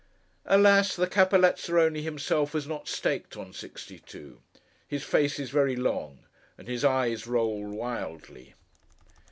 Alas! the Capo Lazzarone himself has not staked on sixty two. His face is very long, and his eyes roll wildly.